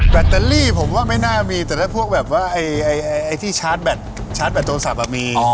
แบตเตอรี่ผมว่าไม่น่ามีแต่ถ้าพวกแบบว่าไอ้ที่ชาร์จแบตชาร์จแบตโทรศัพท์มี